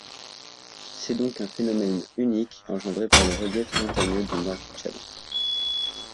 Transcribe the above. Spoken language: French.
C'est donc un phénomène unique engendré par le relief montagneux du nord du Tchad.